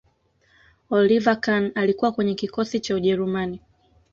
oliver kahn alikuwa kwenye kikosi cha ujerumani